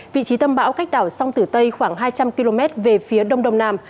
vị trí tâm bão cách đảo sông tử tây khoảng hai trăm linh km về phía đông đồng nàm